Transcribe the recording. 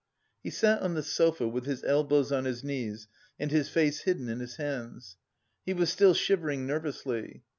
He sat on the sofa with his elbows on his knees and his face hidden in his hands. He was still shivering nervously.